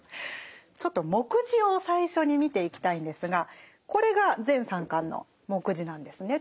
ちょっと目次を最初に見ていきたいんですがこれが全３巻の目次なんですね。